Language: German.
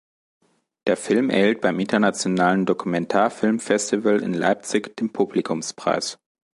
Der Film erhielt beim Internationalen Dokumentarfilmfestival in Leipzig den Publikumspreis.